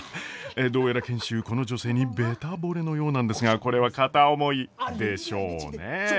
どうやら賢秀この女性にべたぼれのようなんですがこれは片思いでしょうね。